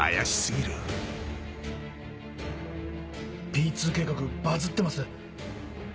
Ｐ２計画バズってます。